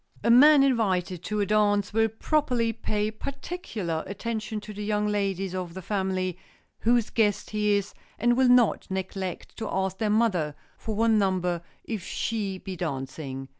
A man invited to a dance will properly pay particular attention to the young ladies of the family whose guest he is, and will not neglect to ask their mother for one number if she be dancing.